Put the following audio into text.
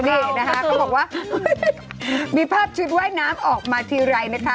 นี่นะคะเขาบอกว่ามีภาพชุดว่ายน้ำออกมาทีไรนะคะ